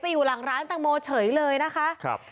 อยู่หลังร้านแตงโมเฉยเลยนะคะครับ